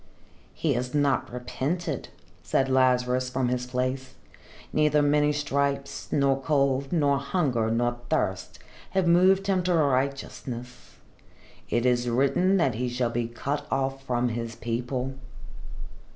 "He has not repented," said Lazarus, from his place. "Neither many stripes, nor cold, nor hunger, nor thirst, have moved him to righteousness. It is written that he shall be cut off from his people."